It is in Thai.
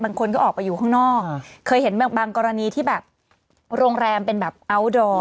บางคนก็ออกไปอยู่ข้างนอกเคยเห็นบางกรณีที่แบบโรงแรมเป็นแบบอัลดอร์